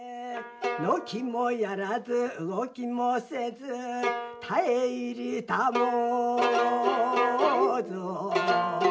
のきもやらず動きもせず絶え入りたもうぞ